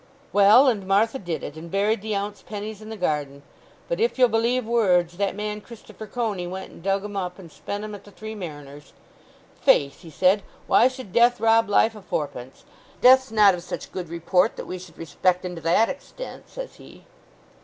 "Well, and Martha did it, and buried the ounce pennies in the garden. But if ye'll believe words, that man, Christopher Coney, went and dug 'em up, and spent 'em at the Three Mariners. 'Faith,' he said, 'why should death rob life o' fourpence? Death's not of such good report that we should respect 'en to that extent,' says he."